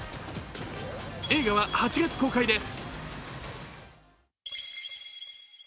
映画は８月公開です。